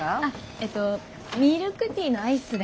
えっとミルクティーのアイスで。